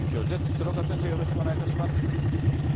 鶴岡先生、よろしくお願いいたします。